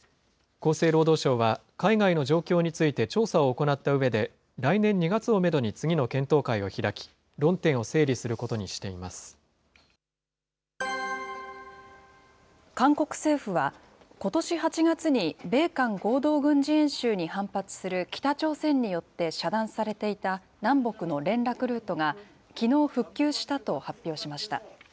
厚生労働省は、海外の状況について調査を行ったうえで、来年２月をメドに次の検討会を開き、論点を整理することにしてい韓国政府は、ことし８月に米韓合同軍事演習に反発する北朝鮮によって遮断されていた、南北の連絡ルートが、きのう復旧したと発表しました。